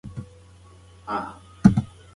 که چیرې نیک کارونه وکړو نو په ژوند کې به بریالي شو.